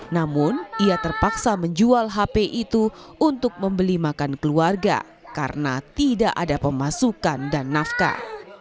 namun ia terpaksa menjual hp itu untuk membeli makan keluarga karena tidak ada pemasukan dan nafkah